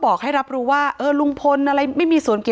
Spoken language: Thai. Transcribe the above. ถ้าใครอยากรู้ว่าลุงพลมีโปรแกรมทำอะไรที่ไหนยังไง